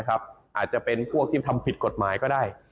อาจจะเป็นพวกที่ทำผิดกฎหมายก็ได้